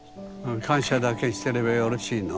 感謝だけしてればよろしいの。